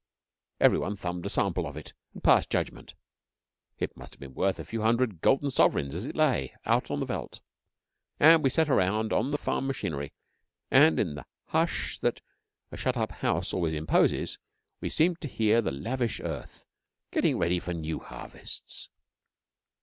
Every one thumbed a sample of it and passed judgment it must have been worth a few hundred golden sovereigns as it lay, out on the veldt and we sat around, on the farm machinery, and, in the hush that a shut up house always imposes, we seemed to hear the lavish earth getting ready for new harvests.